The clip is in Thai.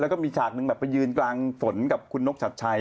แล้วก็มีฉากหนึ่งแบบไปยืนกลางฝนกับคุณนกชัดชัย